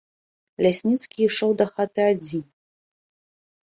Лясніцкі ішоў дахаты адзін.